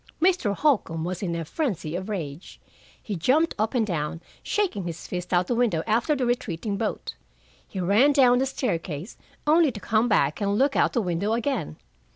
Mr. Holcombe was in a frenzy of rage. He jumped up and down, shaking his fist out the window after the retreating boat. He ran down the staircase, only to come back and look out the window again.